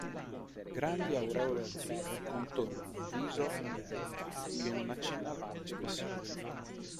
Grandi aureole azzurre contornano un viso imberbe che non accenna alcuna espressione.